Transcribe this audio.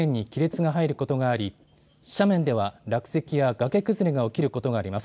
地面に亀裂が入ることがあり、斜面では落石や崖崩れが起きることがあります。